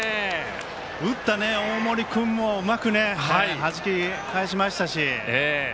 打った大森君もうまくはじき返しましたし。